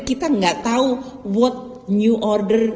kita nggak tahu what new order